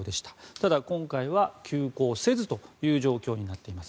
ただ今回は休校せずという状況になっています。